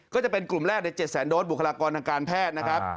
ก็จะเป็นกลุ่มแรกใน๗แสนโดสบุคลากรทางการแพทย์นะครับ